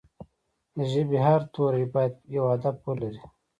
د ژبې هر توری باید یو هدف ولري.